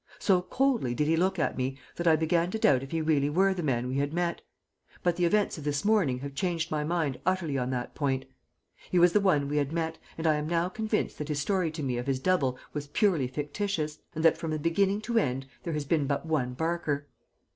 So coldly did he look at me that I began to doubt if he really were the man we had met; but the events of this morning have changed my mind utterly on that point. He was the one we had met, and I am now convinced that his story to me of his double was purely fictitious, and that from beginning to end there has been but one Barker.